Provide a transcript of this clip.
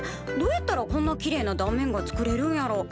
どうやったらこんなきれいな断面が作れるんやろ？